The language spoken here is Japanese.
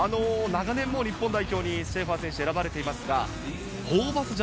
長年、日本代表にシェーファー選手、選ばれていますがホーバス